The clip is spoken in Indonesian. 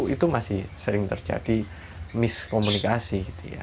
itu masih sering terjadi miskomunikasi